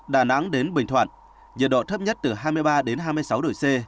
đà nẵng đến bình thoạn nhiệt độ thấp nhất từ hai mươi ba hai mươi sáu độ c